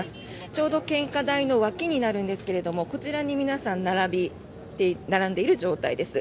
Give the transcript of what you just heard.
ちょうど献花台の脇になるんですがこちらに皆さん並んでいる状態です。